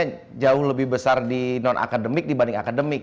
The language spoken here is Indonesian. yang jauh lebih besar di non akademik dibanding akademik